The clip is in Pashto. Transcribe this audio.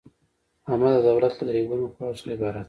عامه د دولت له درې ګونو قواوو څخه عبارت ده.